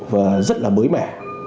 và rất là mới mẻ